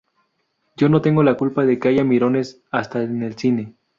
Yo no tengo la culpa de que haya mirones hasta en el cine.